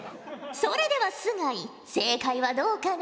それでは須貝正解はどうかな？